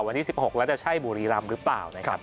วันที่๑๖แล้วจะใช่บุรีรามยูไนเต็ดหรือเปล่านะครับ